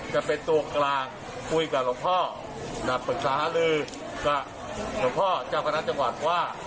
จะเป็นตัวกลางคุยกับหลวงพ่อนะปรึกษาหาลือกับหลวงพ่อเจ้าคณะจังหวัดว่า